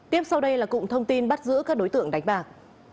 tiếp sau đây là cụm thông tin bắt giữ các đối tượng đánh bạc